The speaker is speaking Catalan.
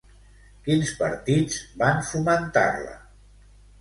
Quins partits van fomentar-la?